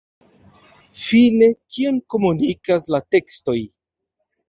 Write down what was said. Fine, kion komunikas la tekstoj?